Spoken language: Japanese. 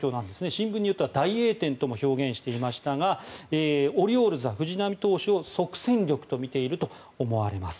新聞によっては大栄転とも表現していましたがオリオールズは藤浪投手を即戦力とみていると思われます。